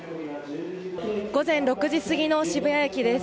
午前６時過ぎの渋谷駅です。